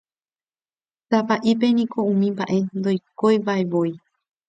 Tavaʼípe niko umi mbaʼe ndoikoivavoi.